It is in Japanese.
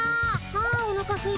あおなかすいた。